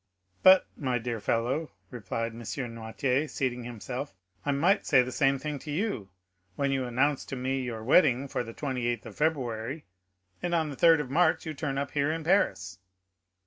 "But, my dear fellow," replied M. Noirtier, seating himself, "I might say the same thing to you, when you announce to me your wedding for the 28th of February, and on the 3rd of March you turn up here in Paris."